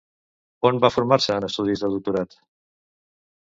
On va formar-se en estudis de doctorat?